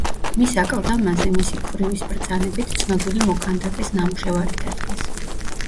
მის აკლდამაზე, მისი ქვრივის ბრძანებით ცნობილი მოქანდაკეს ნამუშევარი დადგეს.